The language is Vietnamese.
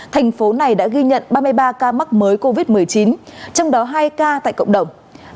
thành phố này đã ghi nhận ba mươi ba ca mắc mới covid một mươi chín trong đó hai ca tại cộng đồng